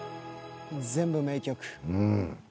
全部名曲。